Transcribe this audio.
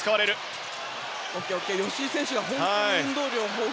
吉井選手が運動量豊富。